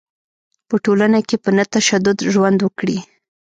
په ټولنه کې په نه تشدد ژوند وکړي.